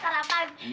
tapi tak patut